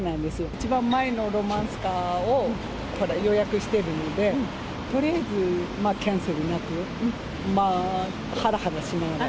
一番前のロマンスカーを予約してるんで、とりあえずキャンセルなく。